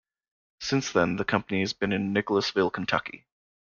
Since then, the company has been in Nicholasville, Kentucky.